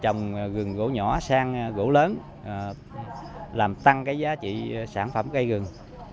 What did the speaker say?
trồng rừng gỗ nhỏ sang gỗ lớn làm tăng giá trị sản phẩm cây rừng